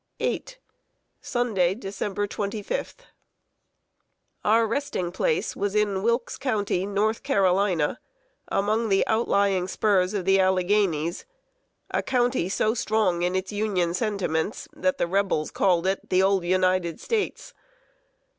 VIII. Sunday, December 25. Our resting place was in Wilkes County, North Carolina, among the outlying spurs of the Alleghanies a county so strong in its Union sentiments, that the Rebels called it "the Old United States."